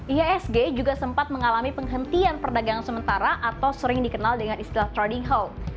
ihsg juga sempat mengalami penghentian perdagangan sementara atau sering dikenal dengan istilah trading hold